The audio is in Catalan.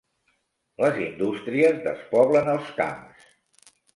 Les indústries despoblen els camps.